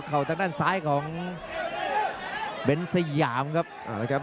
นี่กันแล้วต่อเนื่องกับการแข่งขันฟุตบอลชิงแชมพ์เอเชียครับ